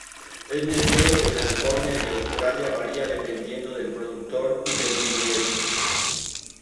El nebbiolo de California y Australia varía dependiendo del productor y del viñedo.